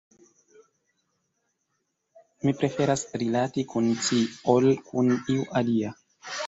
mi preferas rilati kun ci, ol kun iu alia.